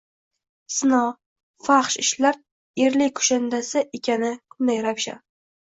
Zino, fahsh ishlar, erlik kushandasi ekani kunday ravshan.